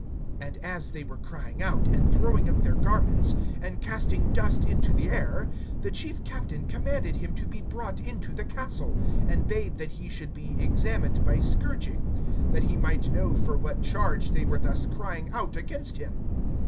(23)And as they were crying out, and throwing up their garments, and casting dust into the air, (24)the chief captain commanded him to be brought into the castle, and bade that he should be examined by scourging; that he might know for what charge they were thus crying out against him.